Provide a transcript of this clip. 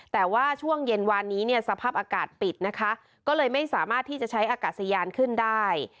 แต่ว่าช่วงเย็นวานนี้เนี่ยสภาพอากาศปิดนะคะก็เลยไม่สามารถที่จะใช้อากาศยานขึ้นได้